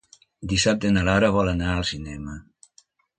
Dissabte na Laura vol anar al cinema.